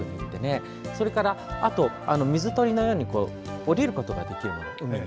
それから水鳥のように下りることができる、海に。